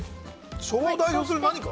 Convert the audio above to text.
昭和代表する何か？